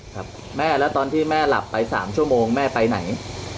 ครับแม่แล้วตอนที่แม่หลับไป๓ชั่วโมงแม่ไปไหน